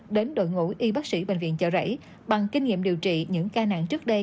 đến đội ngũ y bác sĩ bệnh viện chợ rẫy bằng kinh nghiệm điều trị những ca nặng trước đây